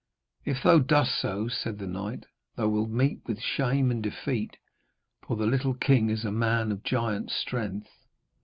'If thou dost so,' said the knight, 'thou wilt meet with shame and defeat. For the little king is a man of giant strength.'